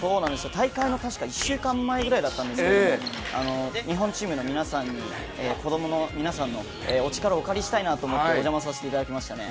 大会の１週間前くらいだったんですが、日本チームの皆さんに、子供の皆さんのお力をお借りしたいとお邪魔させていただきましたね。